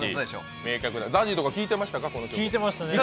名曲でＺＡＺＹとか聴いてましたか？